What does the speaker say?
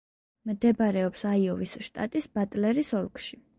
მდებარეობს აიოვის შტატის ბატლერის ოლქში.